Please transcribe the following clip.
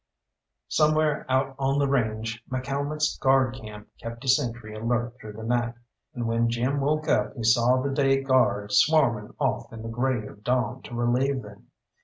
Somewhere out on the range McCalmont's guard camp kept a sentry alert through the night, and when Jim woke up he saw the day guard swarming off in the grey of dawn to relieve them.